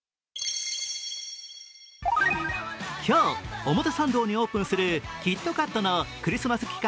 今日、表参道にオープンするキットカットのクリスマス期間